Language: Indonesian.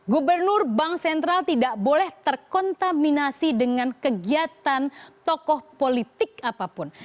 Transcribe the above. gubernur bank sentral tidak boleh terkontaminasi dengan kegiatan tokoh politik apapun